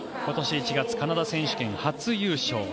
今年１月、カナダ選手権初優勝。